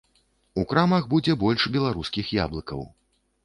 У крамах будзе больш беларускіх яблыкаў.